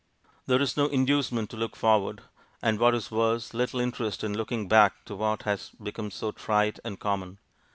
There is no inducement to look forward; and what is worse, little interest in looking back to what has become so trite and common.